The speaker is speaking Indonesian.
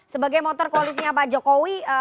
sebagai motor koalisinya pak jokowi